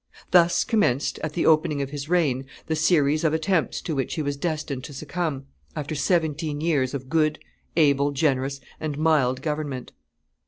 Thus commenced, at the opening of his reign, the series of attempts to which he was destined to succumb, after seventeen years of good, able, generous, and mild government.